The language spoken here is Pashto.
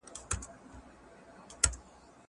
زه به د ښوونځی لپاره تياری کړی وي!!